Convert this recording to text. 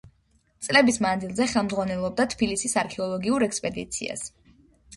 წლების მანძილზე ხელმძღვანელობდა თბილისის არქეოლოგიურ ექსპედიციას.